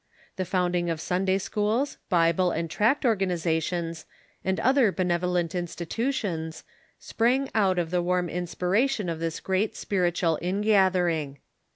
The founding of Sunday schools, Bible and tract or ganizations, and other benevolent institutions, sprang out of the warm inspiration of this gi eat spiritual ingathering.